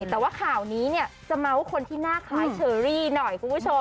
แต่ว่าข่าวนี้เนี่ยจะเมาส์คนที่หน้าคล้ายเชอรี่หน่อยคุณผู้ชม